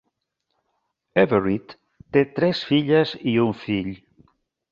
Everitt té tres filles i un fill.